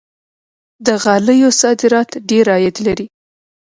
د غالیو صادرات ډیر عاید لري.